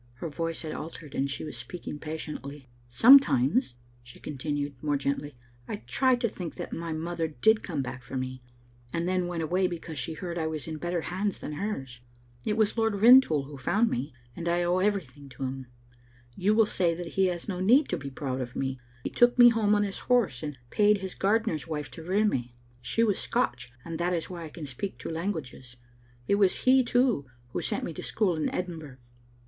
Her voice had altered, and she was speaking passion ately. "Sometimes," she continued, more gently, "I try to think that my mother did come back for me, and then went away because she heard I was in better hands than hers. It was Lord Rintoul who found me, and I owe Digitized by VjOOQ IC store of tbe JGgwtUifu 347 everything to him. You will say that he has no need to be proud of me. He took me home on his horse, and paid his gardener's wife to rear me. She was Scotch, and that is why I can speak two languages. It was he, too, who sent me to school in Edinburgh."